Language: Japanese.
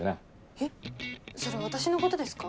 えっそれ私のことですか？